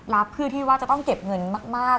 รับเพื่อที่ว่าจะต้องเก็บเงินมาก